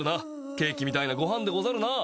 ケーキみたいなごはんでござるな。